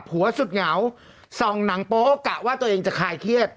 สุดเหงาส่องหนังโป๊ะกะว่าตัวเองจะคลายเครียด